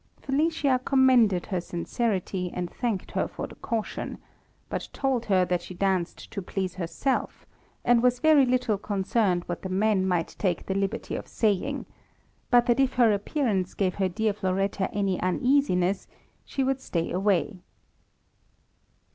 Felicia commended her sincerity, and thanked her for the caution; but told her that she danced to please herself, and was very Httle concerned what the men might take the liberty of saying, but that if her appearance gave her dear Floretta any uneasiness, she would stay away.